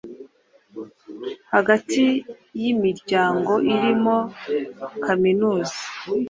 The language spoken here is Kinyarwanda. hagati yimiryango irimo kaminuza